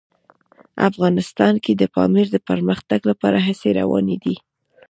افغانستان کې د پامیر د پرمختګ لپاره هڅې روانې دي.